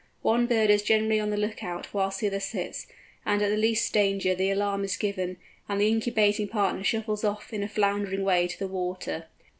One bird is generally on the look out whilst the other sits, and at the least danger the alarm is given, and the incubating partner shuffles off in a floundering way to the water.